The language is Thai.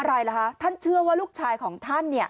อะไรล่ะคะท่านเชื่อว่าลูกชายของท่าน